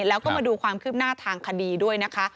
แล้วก็มาดูความคืบหน้าทางคดีด้วยนะคะ